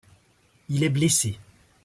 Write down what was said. Il est blessé.